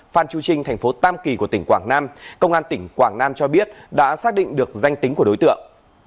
phan chu trinh thành phố tam kỳ của tỉnh quảng nam công an tỉnh quảng nam cho biết đã xác định được danh tính của đối tượng